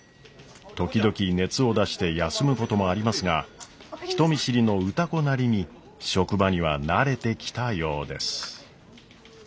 時々熱を出して休むこともありますが人見知りの歌子なりに職場には慣れてきたようです。